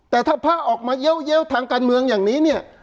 แต่ถ้าพระออกมาเยอะทางการเมืองอย่างนี้เนี่ย